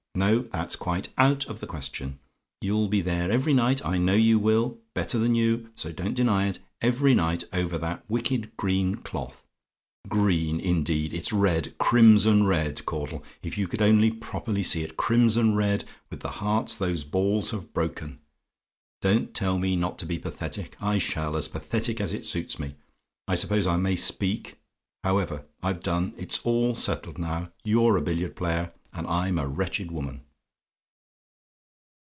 No; that's quite out of the question. You'll be there every night I know you will, better than you, so don't deny it every night over that wicked green cloth. Green, indeed! It's red, crimson red, Caudle, if you could only properly see it crimson red, with the hearts those balls have broken. Don't tell me not to be pathetic I shall: as pathetic as it suits me. I suppose I may speak. However, I've done. It's all settled now. You're a billiard player, and I'm a wretched woman."